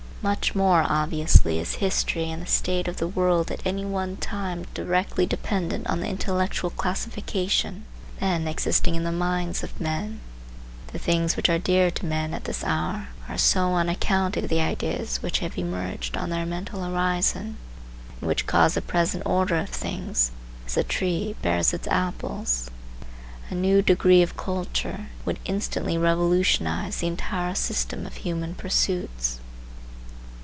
Much more obviously is history and the state of the world at any one time directly dependent on the intellectual classification then existing in the minds of men. The things which are dear to men at this hour are so on account of the ideas which have emerged on their mental horizon, and which cause the present order of things, as a tree bears its apples. A new degree of culture would instantly revolutionize the entire system of human pursuits.